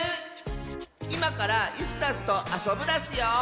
いまから「イスダス」とあそぶダスよ！